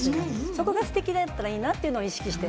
そこがステキだったらいいなということを意識して。